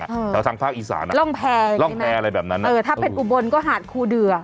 แต่ว่าทางภาคอีสาน่ะร่องแพรอะไรแบบนั้นนะเออถ้าเป็นอุบลก็หาดคู่เดือ